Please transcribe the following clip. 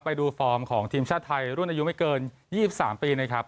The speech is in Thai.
ฟอร์มของทีมชาติไทยรุ่นอายุไม่เกิน๒๓ปีนะครับ